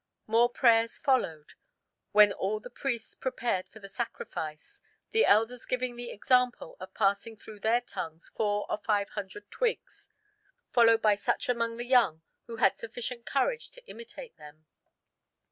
More prayers followed, when all the priests prepared for the sacrifice, the elders giving the example by passing through their tongues four or five hundred twigs, followed by such among the young who had sufficient courage to imitate them.